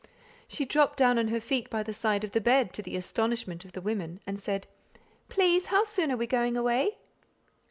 She dropped down on her feet by the side of the bed, to the astonishment of the women, and said, "Please, how soon are we going away?"